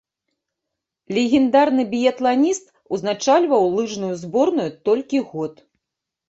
Легендарны біятланіст узначальваў лыжную зборную толькі год.